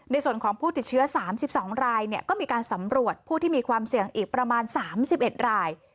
ในส่วนของผู้ติดเชื้อสามสิบสองรายเนี่ยก็มีการสำรวจผู้ที่มีความเสี่ยงอีกประมาณสามสิบเอ็ดราย